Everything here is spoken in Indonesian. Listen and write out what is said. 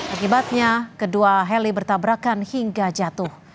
akibatnya kedua heli bertabrakan hingga jatuh